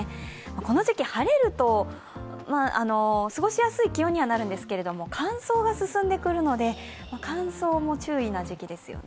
この時期、晴れると過ごしやすい気温にはなるんですけれども乾燥が進んでくるので乾燥も注意な時期ですよね。